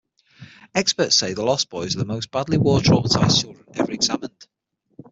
Experts say the Lost Boys are the most badly war-traumatized children ever examined.